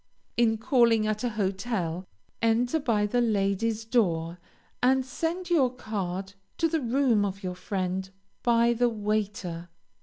In calling at a hotel, enter by the ladies' door, and send your card to the room of your friend by the waiter.